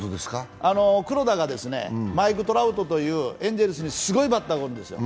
黒田がマイク・トラウトというエンゼルスにすごいバッターがおるんですよ。